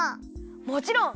もちろん！